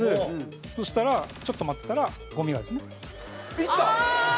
そしたら、ちょっと待ったらゴミがですね。